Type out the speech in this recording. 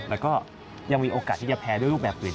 แล้วก็ยังมีโอกาสที่จะแพ้ด้วยรูปแบบอื่น